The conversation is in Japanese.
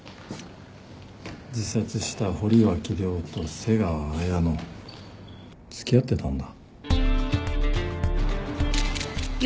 自殺した堀脇涼と瀬川綾乃付き合ってたんだ。